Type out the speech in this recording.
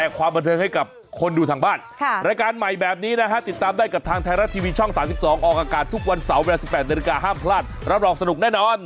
ความบันเทิงให้กับคนดูทางบ้านรายการใหม่แบบนี้นะฮะติดตามได้กับทางไทยรัฐทีวีช่อง๓๒ออกอากาศทุกวันเสาร์เวลา๑๘นาฬิกาห้ามพลาดรับรองสนุกแน่นอน